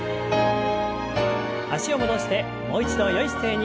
脚を戻してもう一度よい姿勢に。